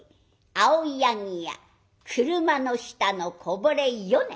「青柳や車の下のこぼれ米」。